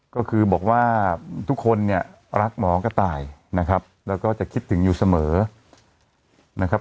ก็คือบอกว่าทุกคนเนี่ยรักหมอกระต่ายนะครับแล้วก็จะคิดถึงอยู่เสมอนะครับ